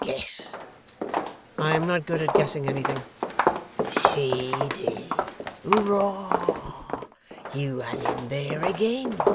Guess.' 'I am not good at guessing anything.' 'She did. Hooroar! You had him there agin.